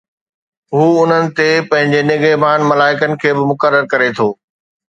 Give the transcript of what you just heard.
هو انهن تي پنهنجي نگهبان ملائڪن کي به مقرر ڪري ٿو